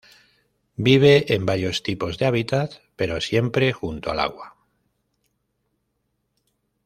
Vive en varios tipos de hábitats, pero siempre junto al agua.